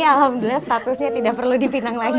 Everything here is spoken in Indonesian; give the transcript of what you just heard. alhamdulillah statusnya tidak perlu dipinang lagi